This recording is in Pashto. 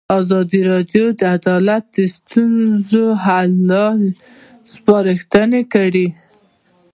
ازادي راډیو د عدالت د ستونزو حل لارې سپارښتنې کړي.